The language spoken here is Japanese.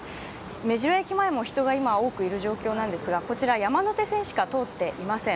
目白駅前も人が多くいる状況なんですがこちら山手線しか通っていません。